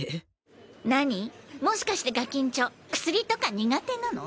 もしかしてガキンチョ薬とかニガテなの？